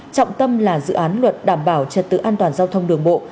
trọng tâm là dự án luật đảm bảo trật tự an toàn giao thông đường bộ